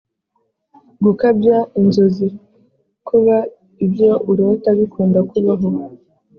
gukabya inzozi: kuba ibyo urota bikunda kubaho